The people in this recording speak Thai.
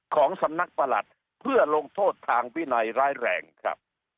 ของสำนักประหลัดเพื่อลงโทษทางวินัยร้ายแรงครับ